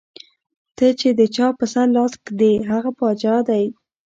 ته چې د چا پۀ سر لاس کېږدې ـ هغه باچا دے ـ